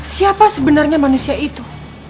siapa sebenarnya manusia itu